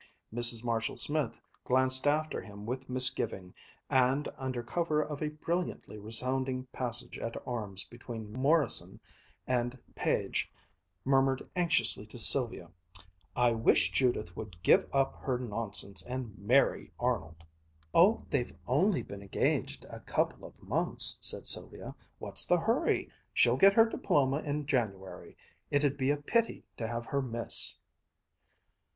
Mrs. Marshall Smith glanced after him with misgiving, and, under cover of a brilliantly resounding passage at arms between Morrison and Page, murmured anxiously to Sylvia, "I wish Judith would give up her nonsense and marry Arnold!" "Oh, they've only been engaged a couple of months," said Sylvia. "What's the hurry! She'll get her diploma in January. It'd be a pity to have her miss!"